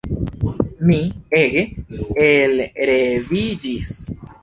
Mi ege elreviĝis.